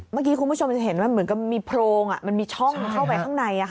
เมื่อกี้คุณผู้ชมจะเห็นว่าเหมือนกับมีโพรงมันมีช่องเข้าไปข้างใน